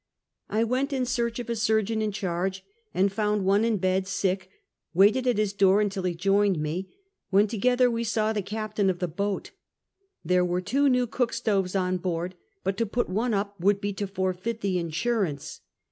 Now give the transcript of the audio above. I went in search of a surgeon in charge, and found one in bed, sick; waited at his door until he joined me, when together we saw the captain of the boat. There were two new cook stoves on board, but to put one up would be to forfeit the insurance.